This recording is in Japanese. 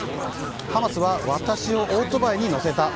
ハマスは私をオートバイに乗せた。